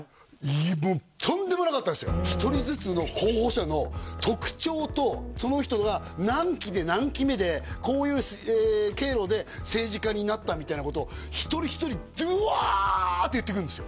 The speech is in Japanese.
いやもう１人ずつの候補者の特徴とその人が何期で何期目でこういう経路で政治家になったみたいなことを一人一人どわっと言っていくんですよ